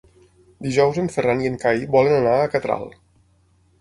Dijous en Ferran i en Cai volen anar a Catral.